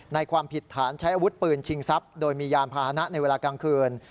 ความผิดฐานใช้อาวุธปืนชิงทรัพย์โดยมียานพาหนะในเวลากลางคืน